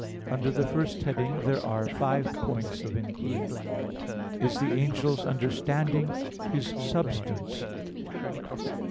Under the first heading there are five points of inquiry: (1) Is the angel's understanding his substance?